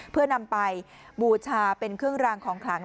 เพื่อนำไปบูชาเป็นเครื่องรางของขลัง